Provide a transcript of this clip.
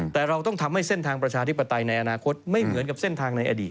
แต่เราต้องทำให้เส้นทางประชาธิปไตยในอนาคตไม่เหมือนกับเส้นทางในอดีต